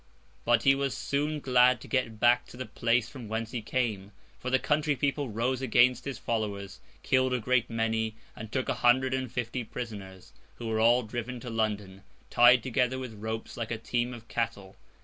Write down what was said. But he was soon glad to get back to the place from whence he came; for the country people rose against his followers, killed a great many, and took a hundred and fifty prisoners: who were all driven to London, tied together with ropes, like a team of cattle.